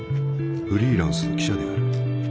フリーランスの記者である。